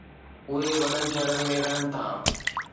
اهي وڏن شهرن ۾ رهن ٿا